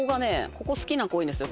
ここ好きな子多いんですよ